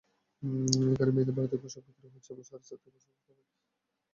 এখানে মেয়েদের ভারতীয় পোশাক বিক্রি হচ্ছে সাড়ে চার থেকে পাঁচ হাজার টাকায়।